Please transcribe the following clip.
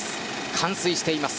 冠水しています。